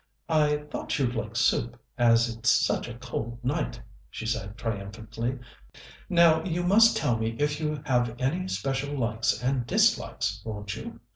"I thought you'd like soup, as it's such a cold night," she said triumphantly. "Now, you must tell me if you have any special likes and dislikes, won't you?